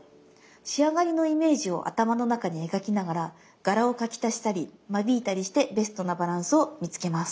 仕上がりのイメージを頭の中に描きながら柄を描き足したり間引いたりしてベストなバランスを見つけます。